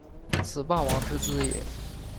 此霸王之资也。